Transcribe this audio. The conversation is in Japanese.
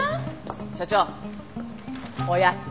所長おやつです。